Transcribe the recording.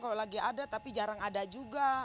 kalau lagi ada tapi jarang ada juga